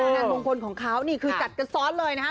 งานมงคลของเขานี่คือจัดกันซ้อนเลยนะฮะ